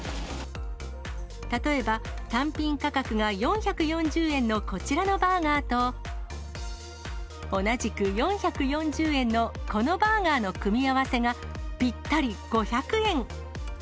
例えば単品価格が４４０円のこちらのバーガーと、同じく４４０円のこのバーガーの組み合わせが、ぴったり５００円。